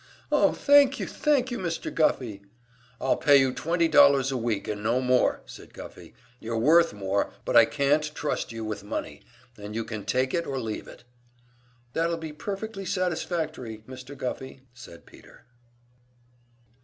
"Oh, thank you, thank you, Mr. Guffey!" "I'll pay you twenty dollars a week, and no more," said Guffey. "You're worth more, but I can't trust you with money, and you can take it or leave it." "That'll be perfectly satisfactory, Mr. Guffey," said Peter.